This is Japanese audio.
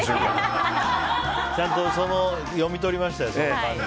ちゃんと読み取りましたよ。